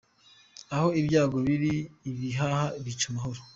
Aho ibyago biri ibihaha bica umuhoro.